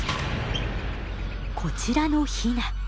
こちらのヒナ。